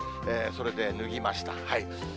それで脱ぎました。